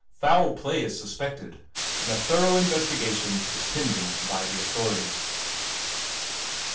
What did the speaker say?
Foul play is sus fced, and a thorough investigation is pending by the auth ritii .